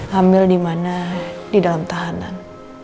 hamil di mana di dalam tahanan